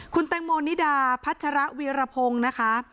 คุณแตงโมนิดาพัชระวีรพงศ์นะคะ